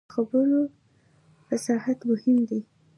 د خبرو فصاحت مهم دی